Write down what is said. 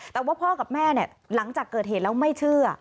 แต่ว่าพ่อกับแม่เนี่ยหลังจากเกิดเหตุแล้วไม่เชื่อ